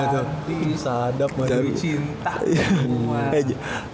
nanti sadap mandi cinta